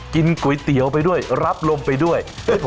กินก๋วยเตี๋ยวไปด้วยรับลมไปด้วย